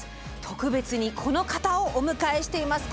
特別にこの方をお迎えしています。